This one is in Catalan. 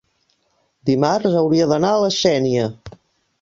dimarts hauria d'anar a la Sénia.